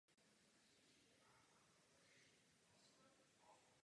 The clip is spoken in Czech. Pak se již angažoval v sociální demokracii.